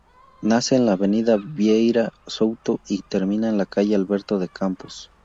Nace en la avenida Vieira Souto y termina en la Calle Alberto de Campos.